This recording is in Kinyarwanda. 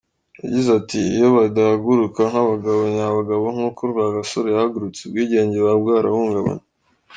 Yagize ati “ Iyo badahaguruka nk’abagabo nyabagabo nk’uko Rwagasore yahagurutse, ubwigenge buba bwarahungabanye.